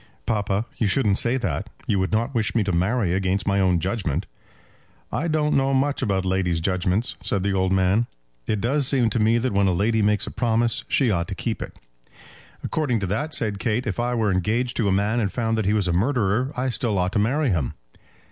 "Papa, you shouldn't say that. You would not wish me to marry against my own judgement." "I don't know much about ladies' judgements," said the old man. "It does seem to me that when a lady makes a promise she ought to keep it." "According to that," said Kate, "if I were engaged to a man, and found that he was a murderer, I still ought to marry him."